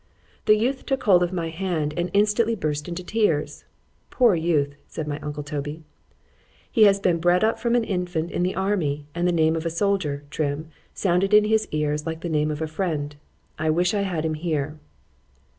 ——The youth took hold of my hand, and instantly burst into tears.——Poor youth! said my uncle Toby,—he has been bred up from an infant in the army, and the name of a soldier, Trim, sounded in his ears like the name of a friend;—I wish I had him here.